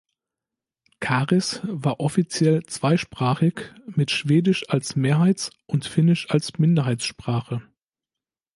Karis war offiziell zweisprachig mit Schwedisch als Mehrheits- und Finnisch als Minderheitssprache.